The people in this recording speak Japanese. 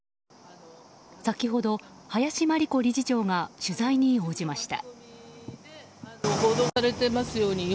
先ほど、林真理子理事長が取材に応じました。